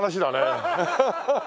ハハハハ。